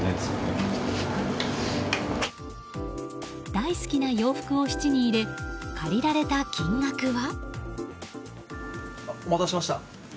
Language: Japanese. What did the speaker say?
大好きな洋服を質に入れ借りられた金額は。